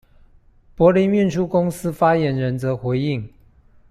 柏林運輸公司發言人則回應：